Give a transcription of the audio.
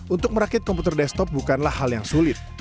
untuk merakit komputer desktop bukanlah hal yang sulit